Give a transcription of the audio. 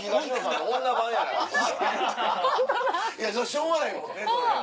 しょうがないもんねそれは。